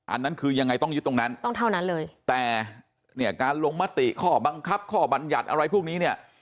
อันนั้นคือยังไงต้องยึดตรงนั้นต้องเท่านั้นเลยแต่เนี่ยการลงมติข้อบังคับข้อบรรยัติอะไรพวกนี้เนี่ย